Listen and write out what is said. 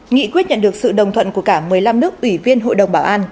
nghị quyết nhận được sự đồng thuận của cả một mươi năm nước ủy viên hội đồng bảo an